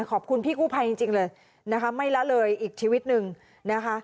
ขอบคุณพี่กู้ภัยจริงเลยนะคะไม่ละเลยอีกชีวิตหนึ่งนะคะ